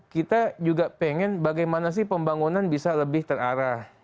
kita juga pengen bagaimana sih pembangunan bisa lebih terarah